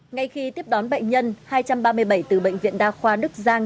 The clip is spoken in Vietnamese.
ngay khi tiếp đón bệnh nhân hai trăm ba mươi bảy từ bệnh viện đa khoa đức giang